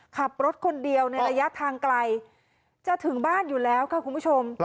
ขับรถคนเดียวในระยะทางไกลจะถึงบ้านอยู่แล้วค่ะคุณผู้ชม